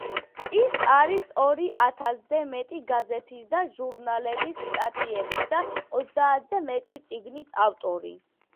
ის არის ორი ათასზე მეტი გაზეთის და ჟურნალების სტატიების და ოცდაათზე მეტი წიგნის ავტორი.